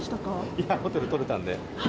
いや、ホテル取れたんで。